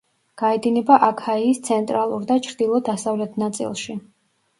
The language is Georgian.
გაედინება აქაიის ცენტრალურ და ჩრდილო-დასავლეთ ნაწილში.